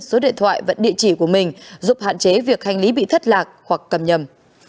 số điện thoại và địa chỉ của mình giúp hạn chế việc hành lý bị thất lạc hoặc cầm nhầm